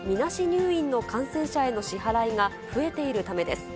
入院の感染者への支払いが増えているためです。